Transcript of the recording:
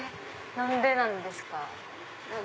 何でなんですか？